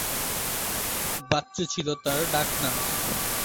বাচ্চু’ ছিল তার ডাক নাম।